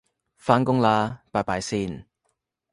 返工喇拜拜先